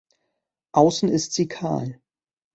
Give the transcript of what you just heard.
Außen ist sie kahl.